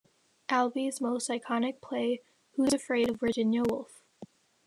Albee's most iconic play, Who's Afraid of Virginia Woolf?